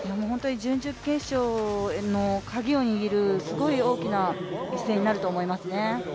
準々決勝へのカギを握るすごい大きな一戦になると思いますね。